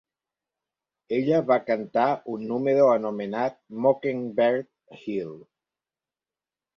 Ella va cantar un número anomenat "Mockingbird Hill".